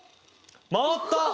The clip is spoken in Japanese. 回った！